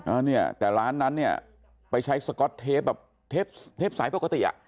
อ่าเนี่ยแต่ร้านนั้นเนี่ยไปใช้สก๊อตเทปแบบเทปเทปสายปกติอ่ะ